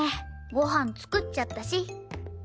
ご飯作っちゃったし。